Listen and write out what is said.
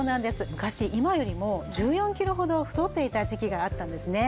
昔今よりも１４キロほど太っていた時期があったんですね。